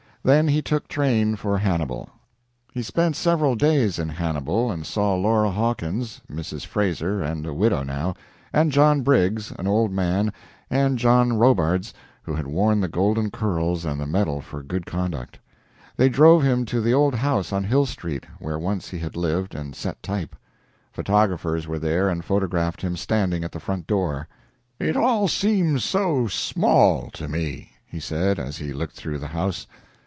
Then he took train for Hannibal. He spent several days in Hannibal and saw Laura Hawkins Mrs. Frazer, and a widow now and John Briggs, an old man, and John RoBards, who had worn the golden curls and the medal for good conduct. They drove him to the old house on Hill Street, where once he had lived and set type; photographers were there and photographed him standing at the front door. "It all seems so small to me," he said, as he looked through the house.